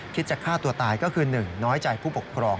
คิดจะฆ่าตัวตายก็คือ๑น้อยใจผู้ปกครอง